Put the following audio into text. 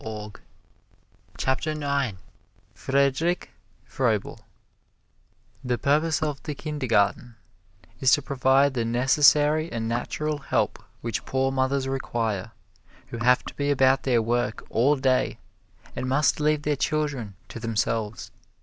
[Illustration: FRIEDRICH FROEBEL] FRIEDRICH FROEBEL The purpose of the Kindergarten is to provide the necessary and natural help which poor mothers require who have to be about their work all day, and must leave their children to themselves.